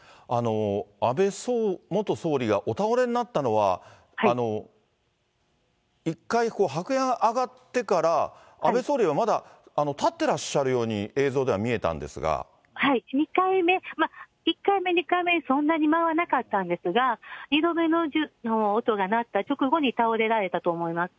安倍元総理がお倒れになったのは、１回、白煙が上がってから、安倍総理はまだ立ってらっしゃるように、２回目、１回目、２回目にそんなに間はなかったんですが、２度目の音が鳴った直後に倒れられたと思います。